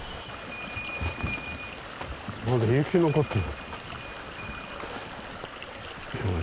まだ雪残ってる。